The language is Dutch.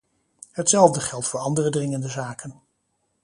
Hetzelfde geldt voor andere dringende zaken.